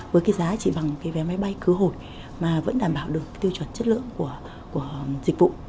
với cái giá chỉ bằng cái vé máy bay cứu hồi mà vẫn đảm bảo được tiêu chuẩn chất lượng của dịch vụ